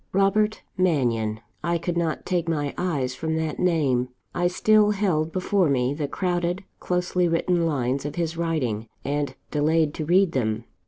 "Robert Mannion!" I could not take my eyes from that name: I still held before me the crowded, closely written lines of his writing, and delayed to read them.